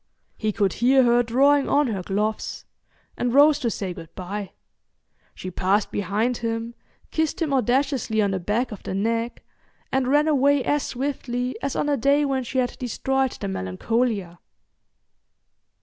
He could hear her drawing on her gloves and rose to say good bye. She passed behind him, kissed him audaciously on the back of the neck, and ran away as swiftly as on the day when she had destroyed the Melancolia.